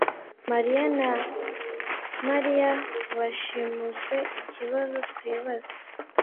mariya na Mariya bashimuswe ikibazo twibaza